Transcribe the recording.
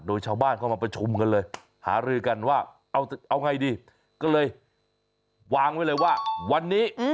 โดยชาวบ้านเข้ามาประชุมกันเลยหารือกันว่าเอาไงดีก็เลยวางไว้เลยว่าวันนี้